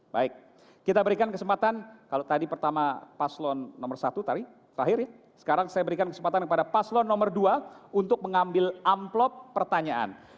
baik kita berikan kesempatan kalau tadi pertama paslon nomor satu tadi terakhir sekarang saya berikan kesempatan kepada paslon nomor dua untuk mengambil amplop pertanyaan